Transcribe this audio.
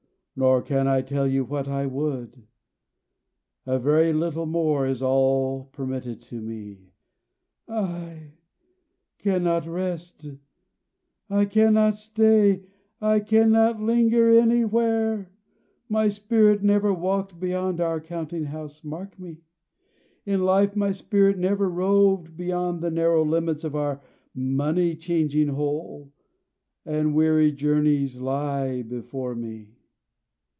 Nor can I tell you what I would. A very little more, is all permitted to me. I cannot rest, I cannot stay, I cannot linger anywhere. My spirit never walked beyond our counting house mark me! in life my spirit never roved beyond the narrow limits of our money changing hole; and weary journeys lie before me!"